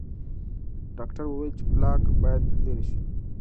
ډاکټر وویل چې پلاک باید لرې شي.